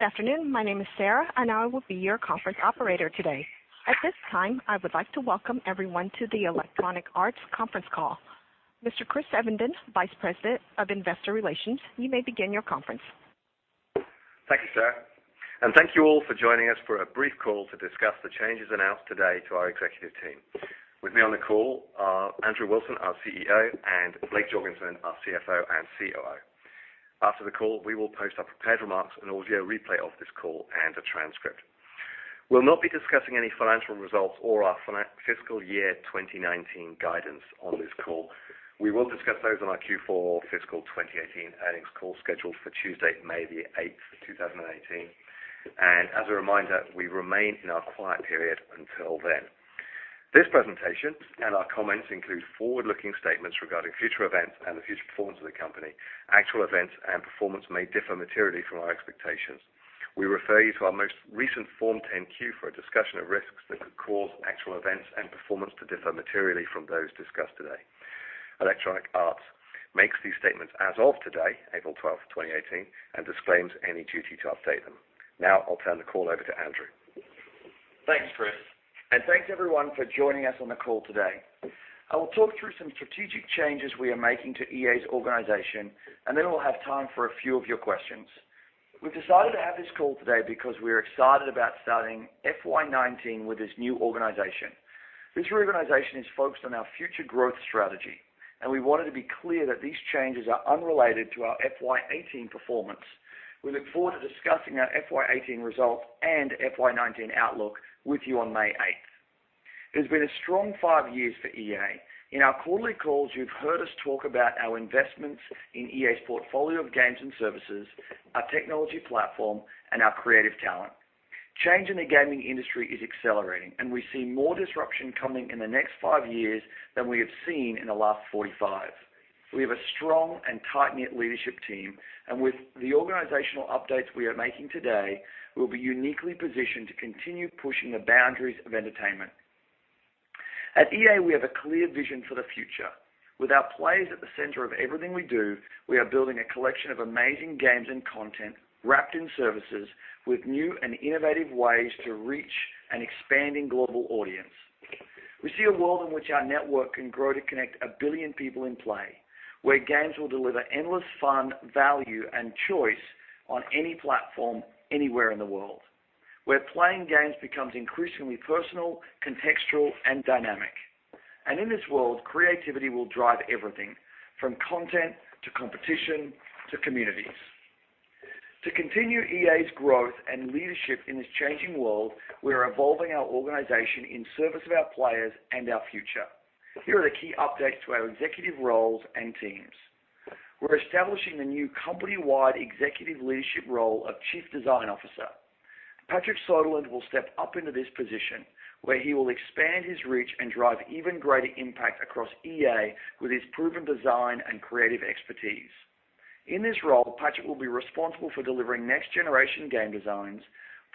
Good afternoon. My name is Sarah, and I will be your conference operator today. At this time, I would like to welcome everyone to the Electronic Arts conference call. Mr. Chris Evenden, Vice President of Investor Relations, you may begin your conference. Thank you, Sarah. Thank you all for joining us for a brief call to discuss the changes announced today to our executive team. With me on the call are Andrew Wilson, our CEO, and Blake Jorgensen, our CFO and COO. After the call, we will post our prepared remarks, an audio replay of this call, and a transcript. We'll not be discussing any financial results or our fiscal year 2019 guidance on this call. We will discuss those on our Q4 fiscal 2018 earnings call scheduled for Tuesday, May the 8th, 2018. As a reminder, we remain in our quiet period until then. This presentation and our comments include forward-looking statements regarding future events and the future performance of the company. Actual events and performance may differ materially from our expectations. We refer you to our most recent Form 10-Q for a discussion of risks that could cause actual events and performance to differ materially from those discussed today. Electronic Arts makes these statements as of today, April 12th, 2018, and disclaims any duty to update them. Now I'll turn the call over to Andrew. Thanks, Chris. Thanks, everyone, for joining us on the call today. I will talk through some strategic changes we are making to EA's organization, and then we'll have time for a few of your questions. We've decided to have this call today because we're excited about starting FY 2019 with this new organization. This reorganization is focused on our future growth strategy, and we want it to be clear that these changes are unrelated to our FY 2018 performance. We look forward to discussing our FY 2018 results and FY 2019 outlook with you on May 8th. It has been a strong five years for EA. In our quarterly calls, you've heard us talk about our investments in EA's portfolio of games and services, our technology platform, and our creative talent. Change in the gaming industry is accelerating, and we see more disruption coming in the next 5 years than we have seen in the last 45. We have a strong and tight-knit leadership team, and with the organizational updates we are making today, we'll be uniquely positioned to continue pushing the boundaries of entertainment. At EA, we have a clear vision for the future. With our players at the center of everything we do, we are building a collection of amazing games and content wrapped in services with new and innovative ways to reach an expanding global audience. We see a world in which our network can grow to connect 1 billion people in play, where games will deliver endless fun, value, and choice on any platform, anywhere in the world, where playing games becomes increasingly personal, contextual, and dynamic. In this world, creativity will drive everything from content to competition to communities. To continue EA's growth and leadership in this changing world, we are evolving our organization in service of our players and our future. Here are the key updates to our executive roles and teams. We're establishing the new company-wide executive leadership role of Chief Design Officer. Patrick Söderlund will step up into this position, where he will expand his reach and drive even greater impact across EA with his proven design and creative expertise. In this role, Patrick will be responsible for delivering next-generation game designs,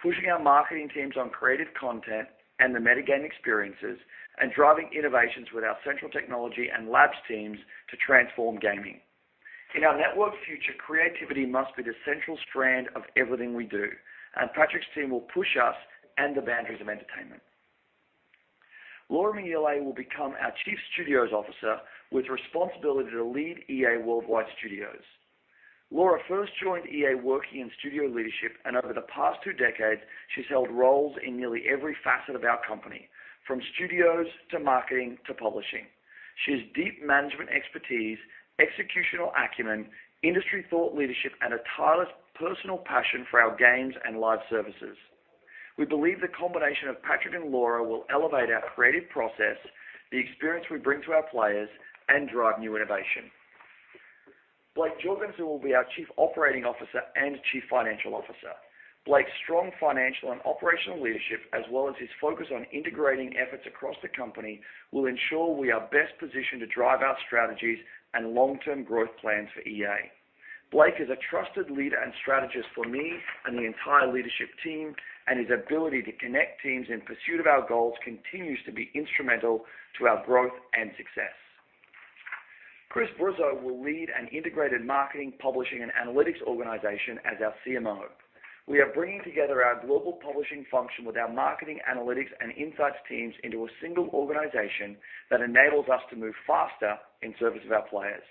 pushing our marketing teams on creative content and the meta game experiences, and driving innovations with our central technology and labs teams to transform gaming. In our network future, creativity must be the central strand of everything we do, and Patrick's team will push us and the boundaries of entertainment. Laura Miele will become our Chief Studios Officer with responsibility to lead EA Worldwide Studios. Laura first joined EA working in studio leadership, and over the past 2 decades, she's held roles in nearly every facet of our company, from studios to marketing to publishing. She has deep management expertise, executional acumen, industry thought leadership, and a tireless personal passion for our games and live services. We believe the combination of Patrick and Laura will elevate our creative process, the experience we bring to our players, and drive new innovation. Blake Jorgensen will be our Chief Operating Officer and Chief Financial Officer. Blake's strong financial and operational leadership, as well as his focus on integrating efforts across the company, will ensure we are best positioned to drive our strategies and long-term growth plans for EA. Blake is a trusted leader and strategist for me and the entire leadership team, and his ability to connect teams in pursuit of our goals continues to be instrumental to our growth and success. Chris Bruzzo will lead an integrated marketing, publishing, and analytics organization as our CMO. We are bringing together our global publishing function with our marketing, analytics, and insights teams into a single organization that enables us to move faster in service of our players.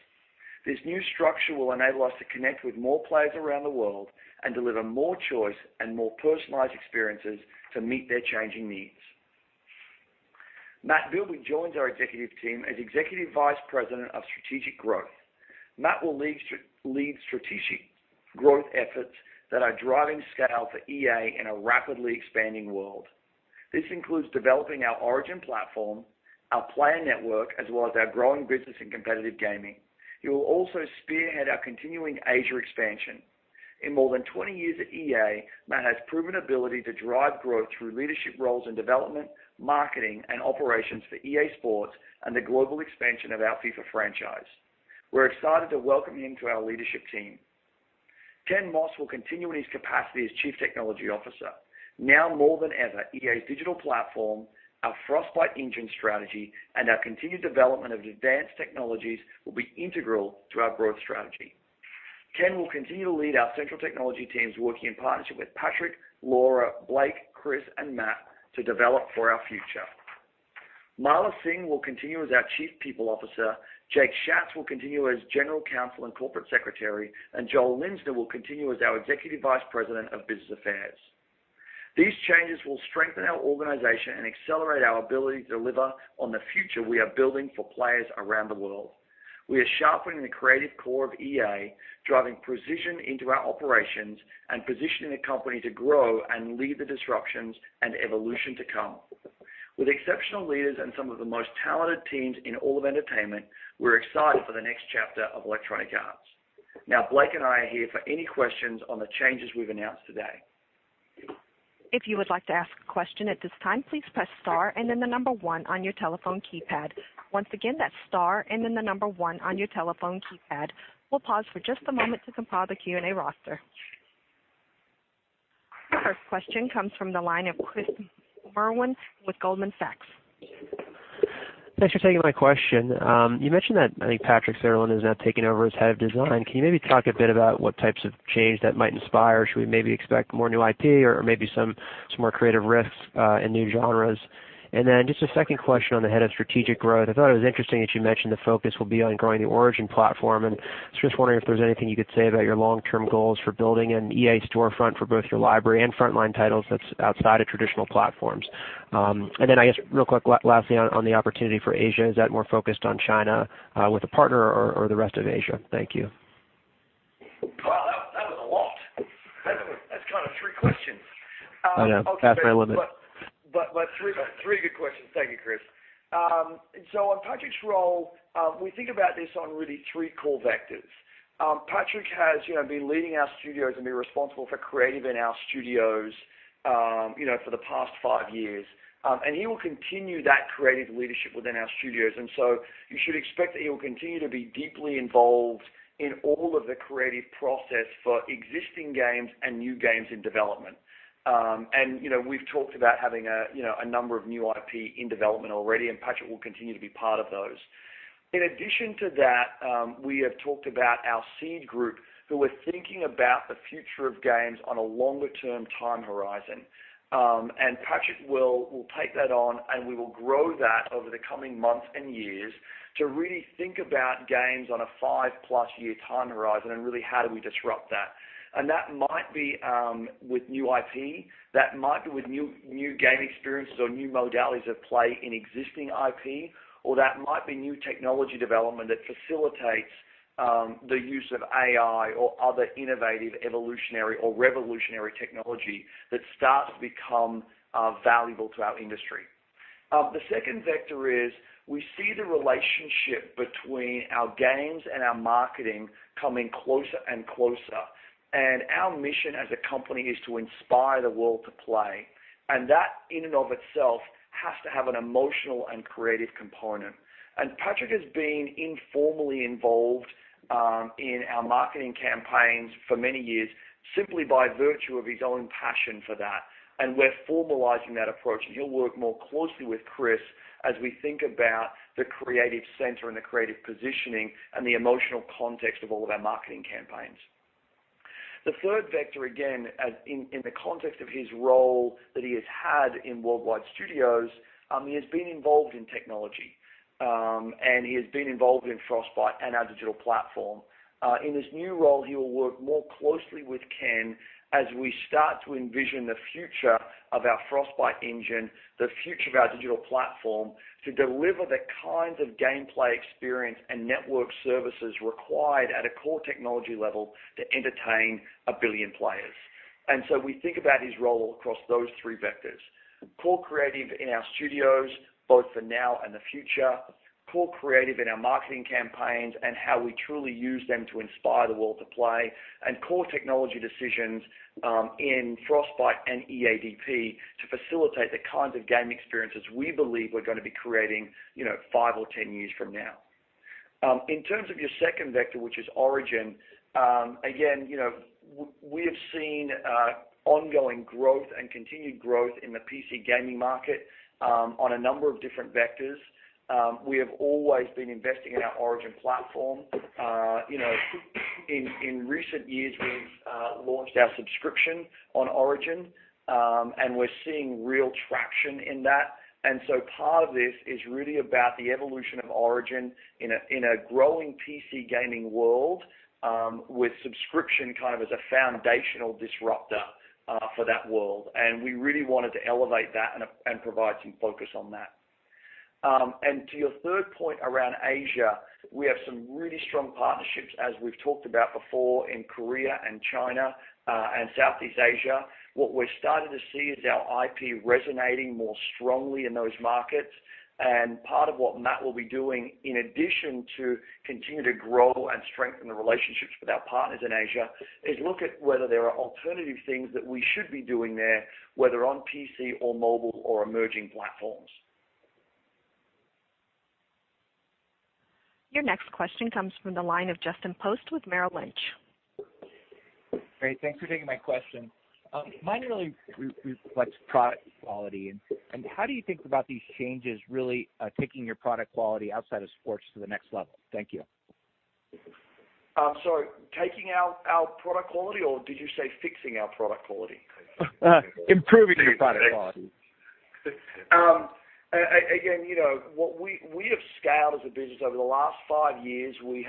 This new structure will enable us to connect with more players around the world and deliver more choice and more personalized experiences to meet their changing needs. Matt Bilbey joins our executive team as Executive Vice President of Strategic Growth. Matt will lead strategic growth efforts that are driving scale for EA in a rapidly expanding world. This includes developing our Origin platform, our player network, as well as our growing business in competitive gaming. He will also spearhead our continuing Asia expansion. In more than 20 years at EA, Matt has proven ability to drive growth through leadership roles in development, marketing, and operations for EA SPORTS and the global expansion of our FIFA franchise. We're excited to welcome him to our leadership team. Ken Moss will continue in his capacity as Chief Technology Officer. More than ever, EA's digital platform, our Frostbite engine strategy, and our continued development of advanced technologies will be integral to our growth strategy. Ken will continue to lead our central technology teams working in partnership with Patrick, Laura, Blake, Chris, and Matt to develop for our future. Mala Singh will continue as our Chief People Officer, Jake Schatz will continue as General Counsel and Corporate Secretary, Joel Linzner will continue as our Executive Vice President of Business Affairs. These changes will strengthen our organization and accelerate our ability to deliver on the future we are building for players around the world. We are sharpening the creative core of EA, driving precision into our operations, and positioning the company to grow and lead the disruptions and evolution to come. With exceptional leaders and some of the most talented teams in all of entertainment, we're excited for the next chapter of Electronic Arts. Blake and I are here for any questions on the changes we've announced today. If you would like to ask a question at this time, please press star and then the number 1 on your telephone keypad. Once again, that's star and then the number 1 on your telephone keypad. We'll pause for just a moment to compile the Q&A roster. Our first question comes from the line of Chris Merwin with Goldman Sachs. Thanks for taking my question. You mentioned that, I think Patrick Söderlund has now taken over as head of Design. Can you maybe talk a bit about what types of change that might inspire? Should we maybe expect more new IP or maybe some more creative risks, in new genres? Just a second question on the Head of Strategic Growth. I thought it was interesting that you mentioned the focus will be on growing the Origin platform, and I was just wondering if there's anything you could say about your long-term goals for building an EA storefront for both your library and frontline titles that's outside of traditional platforms. I guess, real quick, lastly, on the opportunity for Asia, is that more focused on China, with a partner or the rest of Asia? Thank you. Wow. That was a lot. That's kind of three questions. I know. I try my limit. Three good questions. Thank you, Chris. On Patrick's role, we think about this on really three core vectors. Patrick has been leading our studios and been responsible for creative in our studios for the past five years. He will continue that creative leadership within our studios, and so you should expect that he will continue to be deeply involved in all of the creative process for existing games and new games in development. We've talked about having a number of new IP in development already, and Patrick will continue to be part of those. In addition to that, we have talked about our seed group who are thinking about the future of games on a longer-term time horizon. Patrick will take that on, and we will grow that over the coming months and years to really think about games on a five-plus year time horizon and really how do we disrupt that. That might be with new IP, that might be with new game experiences or new modalities of play in existing IP, or that might be new technology development that facilitates the use of AI or other innovative, evolutionary, or revolutionary technology that starts to become valuable to our industry. The second vector is we see the relationship between our games and our marketing coming closer and closer. Our mission as a company is to inspire the world to play. That in and of itself has to have an emotional and creative component. Patrick has been informally involved in our marketing campaigns for many years, simply by virtue of his own passion for that. We're formalizing that approach, and he'll work more closely with Chris Bruzzo as we think about the creative center and the creative positioning and the emotional context of all of our marketing campaigns. The third vector, again, in the context of his role that he has had in EA Worldwide Studios, he has been involved in technology. He has been involved in Frostbite and our digital platform. In his new role, he will work more closely with Ken Moss as we start to envision the future of our Frostbite engine, the future of our digital platform to deliver the kinds of gameplay experience and network services required at a core technology level to entertain 1 billion players. We think about his role across those three vectors. Core creative in our studios, both for now and the future, core creative in our marketing campaigns and how we truly use them to inspire the world to play, and core technology decisions in Frostbite and EADP to facilitate the kinds of game experiences we believe we're going to be creating five or 10 years from now. In terms of your second vector, which is Origin, again, we have seen ongoing growth and continued growth in the PC gaming market, on a number of different vectors. We have always been investing in our Origin platform. In recent years, we've launched our subscription on Origin, and we're seeing real traction in that. Part of this is really about the evolution of Origin in a growing PC gaming world, with subscription kind of as a foundational disruptor for that world. We really wanted to elevate that and provide some focus on that. To your third point around Asia, we have some really strong partnerships, as we've talked about before in Korea and China, and Southeast Asia. What we're starting to see is our IP resonating more strongly in those markets. Part of what Matt Bilbey will be doing, in addition to continue to grow and strengthen the relationships with our partners in Asia, is look at whether there are alternative things that we should be doing there, whether on PC or mobile or emerging platforms. Your next question comes from the line of Justin Post with Merrill Lynch. Great. Thanks for taking my question. Mine really reflects product quality. How do you think about these changes, really taking your product quality outside of sports to the next level? Thank you. Sorry, taking our product quality, or did you say fixing our product quality? Improving your product quality. Again, what we have scaled as a business over the last five years, we've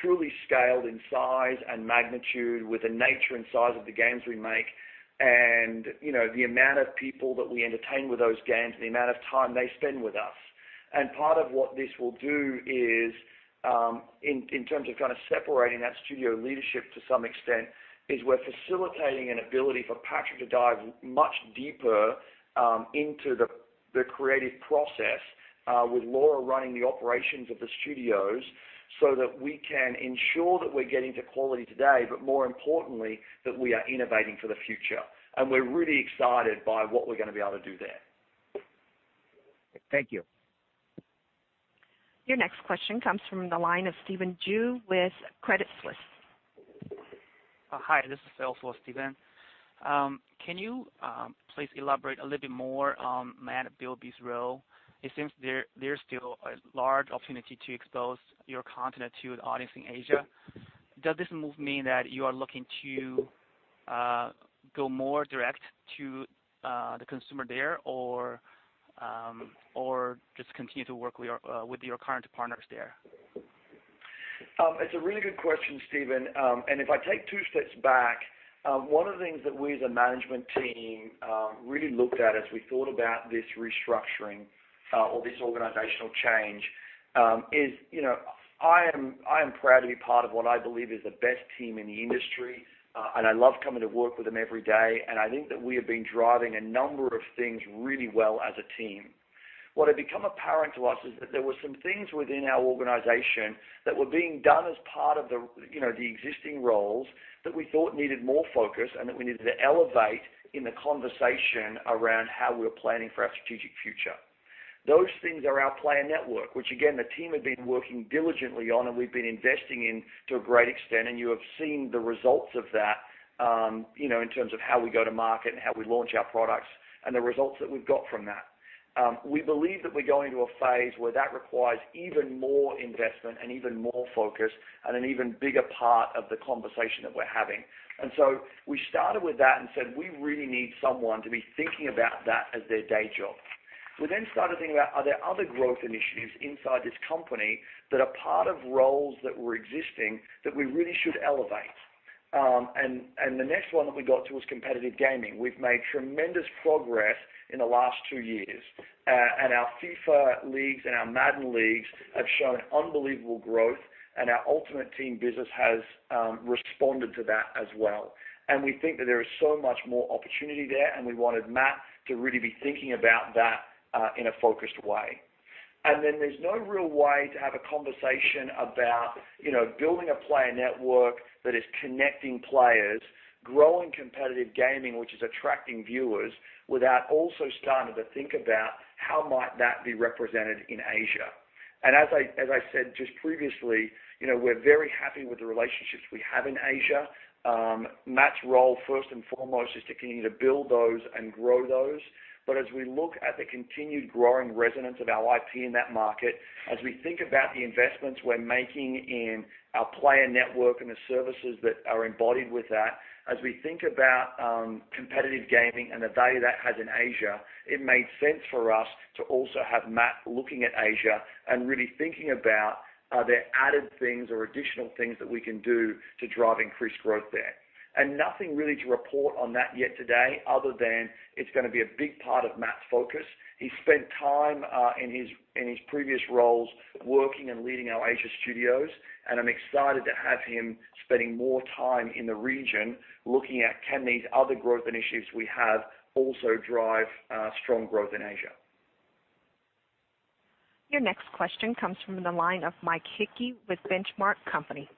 truly scaled in size and magnitude with the nature and size of the games we make and the amount of people that we entertain with those games and the amount of time they spend with us. Part of what this will do is, in terms of kind of separating that studio leadership to some extent, is we're facilitating an ability for Patrick to dive much deeper into the creative process with Laura running the operations of the studios so that we can ensure that we're getting to quality today, but more importantly, that we are innovating for the future. We're really excited by what we're going to be able to do there. Thank you. Your next question comes from the line of Steven Ju with Credit Suisse. Hi, this is also Steven. Can you please elaborate a little bit more on Matt Bilbey's role? It seems there's still a large opportunity to expose your content to the audience in Asia. Does this move mean that you are looking to go more direct to the consumer there or just continue to work with your current partners there? It's a really good question, Steven. If I take two steps back, one of the things that we as a management team really looked at as we thought about this restructuring or this organizational change is I am proud to be part of what I believe is the best team in the industry. I love coming to work with them every day. I think that we have been driving a number of things really well as a team. What had become apparent to us is that there were some things within our organization that were being done as part of the existing roles that we thought needed more focus and that we needed to elevate in the conversation around how we were planning for our strategic future. Those things are our player network, which again, the team have been working diligently on and we've been investing in to a great extent, and you have seen the results of that in terms of how we go to market and how we launch our products and the results that we've got from that. We believe that we're going to a phase where that requires even more investment and even more focus and an even bigger part of the conversation that we're having. We started with that and said, we really need someone to be thinking about that as their day job. We then started thinking about, are there other growth initiatives inside this company that are part of roles that were existing that we really should elevate? The next one that we got to was competitive gaming. We've made tremendous progress in the last two years. Our FIFA leagues and our Madden leagues have shown unbelievable growth, and our Ultimate Team business has responded to that as well. We think that there is so much more opportunity there, and we wanted Matt to really be thinking about that in a focused way. There's no real way to have a conversation about building a player network that is connecting players, growing competitive gaming, which is attracting viewers, without also starting to think about how might that be represented in Asia. As I said just previously, we're very happy with the relationships we have in Asia. Matt's role, first and foremost, is to continue to build those and grow those. As we look at the continued growing resonance of our IP in that market, as we think about the investments we're making in our player network and the services that are embodied with that, as we think about competitive gaming and the value that has in Asia, it made sense for us to also have Matt looking at Asia and really thinking about, are there added things or additional things that we can do to drive increased growth there? Nothing really to report on that yet today other than it's going to be a big part of Matt's focus. He spent time in his previous roles working and leading our Asia studios, and I'm excited to have him spending more time in the region looking at can these other growth initiatives we have also drive strong growth in Asia. Your next question comes from the line of Mike Hickey with Benchmark Company.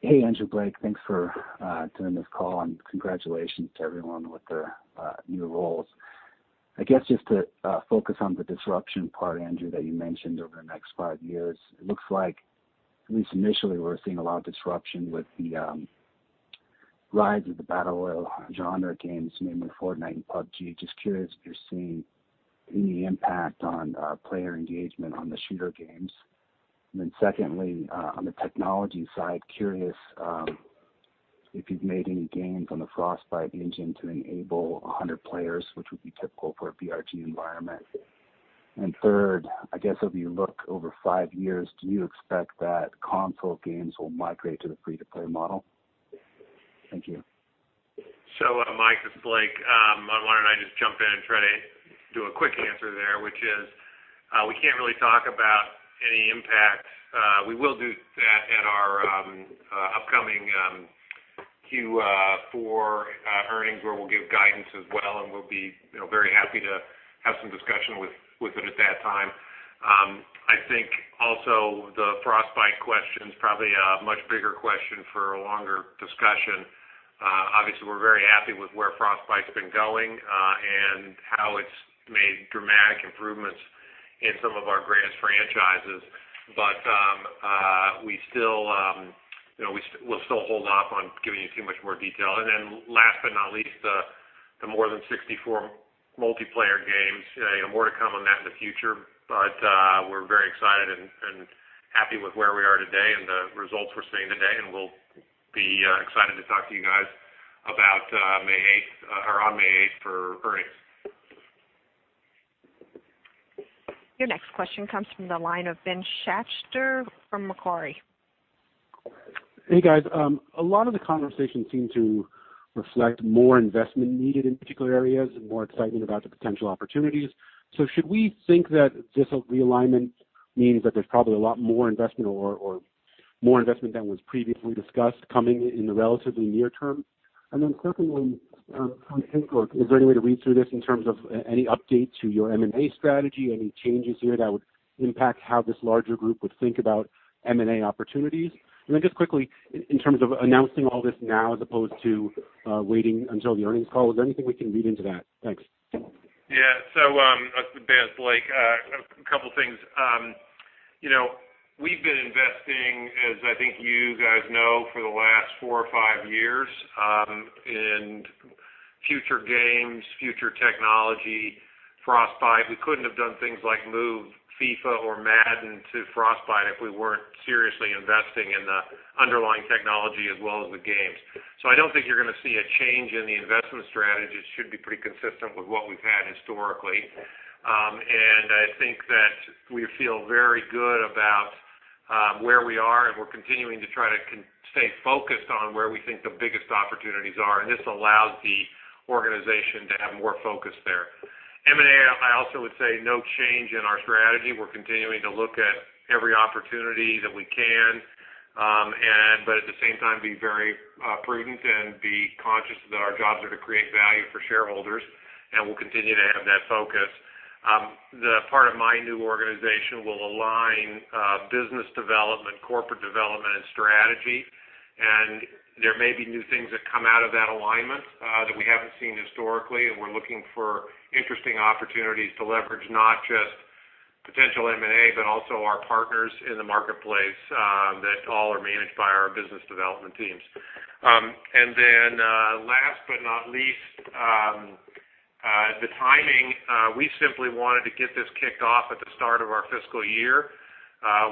Hey, Andrew, Blake. Thanks for doing this call, and congratulations to everyone with their new roles. Just to focus on the disruption part, Andrew, that you mentioned over the next five years. It looks like at least initially, we're seeing a lot of disruption with the rise of the battle royale genre games, namely Fortnite and PUBG. Just curious if you're seeing any impact on player engagement on the shooter games. Secondly, on the technology side, curious if you've made any gains on the Frostbite engine to enable 100 players, which would be typical for a BR environment. Third, if you look over five years, do you expect that console games will migrate to the free-to-play model? Thank you. Mike, this is Blake. Why don't I just jump in and try to do a quick answer there, which is we can't really talk about any impact. We will do that at our upcoming Q4 earnings, where we'll give guidance as well, and we'll be very happy to have some discussion with it at that time. The Frostbite question is probably a much bigger question for a longer discussion. Obviously, we're very happy with where Frostbite's been going and how it's made dramatic improvements in some of our greatest franchises. We'll still hold off on giving you too much more detail. Last but not least, the more than 64 multiplayer games, more to come on that in the future. We're very excited and happy with where we are today and the results we're seeing today, and we'll be excited to talk to you guys on May 8th for earnings. Your next question comes from the line of Ben Schachter from Macquarie. Hey, guys. A lot of the conversation seemed to reflect more investment needed in particular areas and more excitement about the potential opportunities. Should we think that this realignment means that there's probably a lot more investment or more investment than was previously discussed coming in the relatively near term? Secondly, from a hint or is there any way to read through this in terms of any update to your M&A strategy, any changes here that would impact how this larger group would think about M&A opportunities? Just quickly, in terms of announcing all this now as opposed to waiting until the earnings call, was there anything we can read into that? Thanks. Yeah. Ben, it's Blake. A couple of things. We've been investing, as I think you guys know, for the last four or five years in future games, future technology, Frostbite. We couldn't have done things like move FIFA or Madden to Frostbite if we weren't seriously investing in the underlying technology as well as the games. I don't think you're going to see a change in the investment strategy. It should be pretty consistent with what we've had historically. I think that we feel very good about where we are, and we're continuing to try to stay focused on where we think the biggest opportunities are, and this allows the organization to have more focus there. M&A, I also would say no change in our strategy. We're continuing to look at every opportunity that we can. At the same time, be very prudent and be conscious that our jobs are to create value for shareholders, and we'll continue to have that focus. The part of my new organization will align business development, corporate development, and strategy, and there may be new things that come out of that alignment that we haven't seen historically, and we're looking for interesting opportunities to leverage not just potential M&A, but also our partners in the marketplace that all are managed by our business development teams. Last but not least, the timing. We simply wanted to get this kicked off at the start of our fiscal year.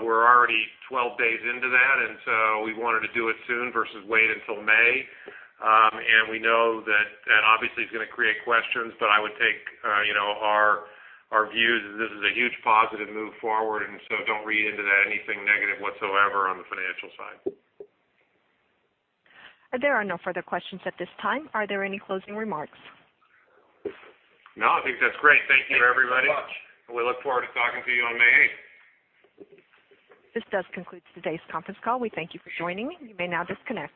We're already 12 days into that, and so we wanted to do it soon versus wait until May. We know that obviously is going to create questions, but I would take our views as this is a huge positive move forward, and so don't read into that anything negative whatsoever on the financial side. There are no further questions at this time. Are there any closing remarks? No, I think that's great. Thank you, everybody. Thanks so much. We look forward to talking to you on May 8th. This does conclude today's conference call. We thank you for joining me. You may now disconnect.